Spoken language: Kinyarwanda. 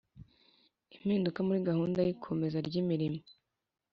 Impinduka muri gahunda y ikomeza ry imirimo